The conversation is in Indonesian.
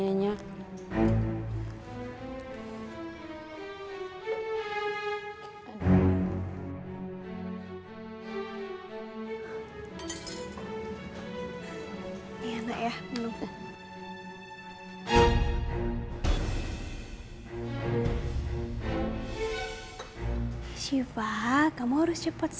hanya ada harga kan